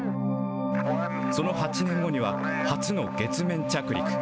その８年後には、初の月面着陸。